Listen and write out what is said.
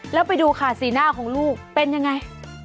แล้วไปดูค่ะสีหน้าของลูกเป็นยังไง